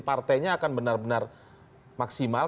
partainya akan benar benar maksimal